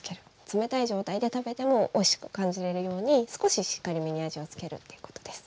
冷たい状態で食べてもおいしく感じれるように少ししっかりめに味を付けるっていうことです。